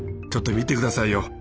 ちょっと見て下さいよ。